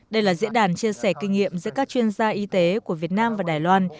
đây là diễn đàn chia sẻ kinh nghiệm giữa các chuyên gia y tế của việt nam và đài loan